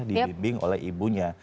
dibimbing oleh ibunya